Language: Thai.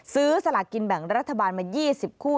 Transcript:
สลากินแบ่งรัฐบาลมา๒๐คู่